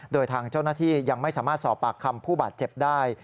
โดยทางเจ้าหน้าที่ยังไม่สามารถสอบปากคำผู้บาดเจ็บได้